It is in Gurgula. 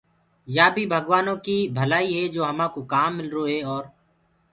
يآ بيٚ ڀگوآنو ڪيٚ ڀلآئيٚ هي جو همآئونٚ ڪآم ملروئي اور